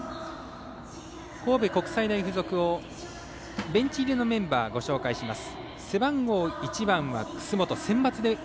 神戸国際大付属のベンチ入りのメンバーをご紹介します。